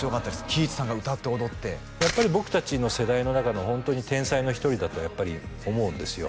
貴一さんが歌って踊ってやっぱり僕達の世代の中のホントに天才の一人だとやっぱり思うんですよ